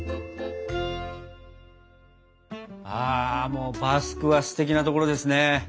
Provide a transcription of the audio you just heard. ああバスクはステキなところですね。